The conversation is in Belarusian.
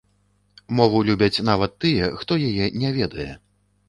Мову любяць нават тыя, хто яе не ведае.